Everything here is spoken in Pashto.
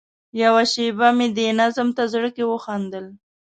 یوه شېبه مې دې نظم ته زړه کې وخندل.